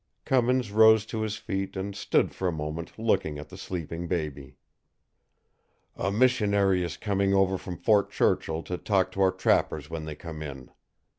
Cummins rose to his feet and stood for a moment looking at the sleeping baby. "A missionary is coming over from Fort Churchill to talk to our trappers when they come in.